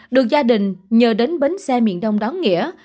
được gia đình nhờ đến bến xe miền đông đón nghĩa